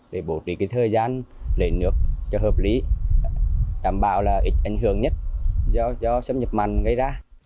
để bổ trí thời gian lấy nước cho hợp lý đảm bảo là ít ảnh hưởng nhất do xâm nhập mặn gây ra